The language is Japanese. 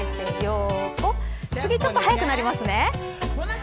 次、ちょっと速くなりますね。